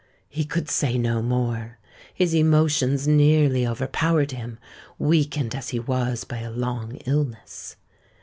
He could say no more: his emotions nearly overpowered him, weakened as he was by a long illness.